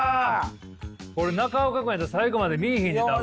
これ中岡君やったら最後まで見いひんで多分。